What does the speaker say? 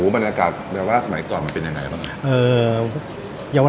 บรรยากาศเยาวราชสมัยก่อนมันเป็นอย่างไรปะ